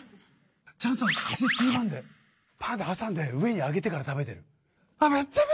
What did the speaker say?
ちゃんと口ついばんでぱんって挟んで上に上げてから食べてる。